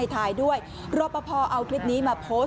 พี่แกบอกว่าคุณผู้ชมไปดูคลิปนี้กันหน่อยนะฮะ